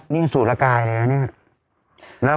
นี่สูตรกายเลยนะครับ